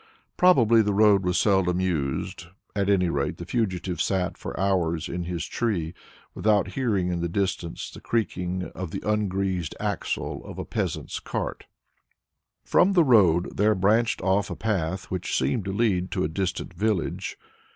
Probably the road was seldom used; at any rate the fugitive sat for hours in his tree, without hearing in the distance the creaking of the ungreased axle of a peasant's cart. From the road there branched off a path which seemed to lead to a distant village.